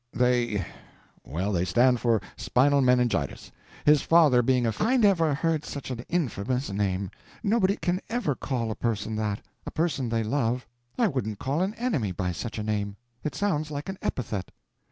"They—well they stand for Spinal Meningitis. His father being a phy—" "I never heard such an infamous name! Nobody can ever call a person that—a person they love. I wouldn't call an enemy by such a name. It sounds like an epithet."